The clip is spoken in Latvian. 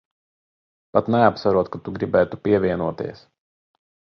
Pat neapsverot, ka tu gribētu pievienoties.